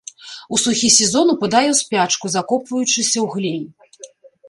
У сухі сезон упадае ў спячку, закопваючыся ў глей.